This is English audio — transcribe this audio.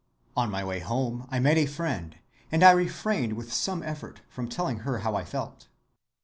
On my way home I met a friend, and I refrained with some effort from telling her how I felt.